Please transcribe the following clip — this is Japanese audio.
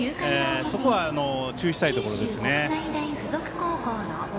そこは注意したいところですね。